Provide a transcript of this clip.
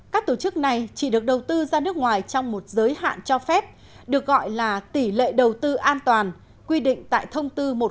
các tổ chức này chỉ được đầu tư ra nước ngoài trong một giới hạn cho phép được gọi là tỷ lệ đầu tư an toàn quy định tại thông tư một trăm một mươi hai